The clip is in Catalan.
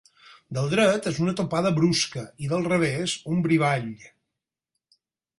Del dret és una topada brusca i del revés un brivall.